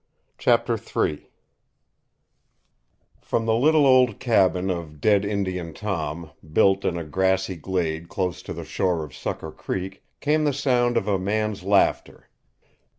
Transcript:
CHAPTER III From the little old cabin of dead Indian Tom, built in a grassy glade close to the shore of Sucker Creek, came the sound of a man's laughter.